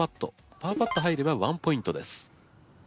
パーパット入れば１ポイントです。